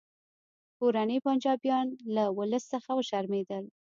کورني پنجابیان له ولس څخه وشرمیدل